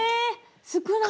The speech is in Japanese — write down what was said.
少ない！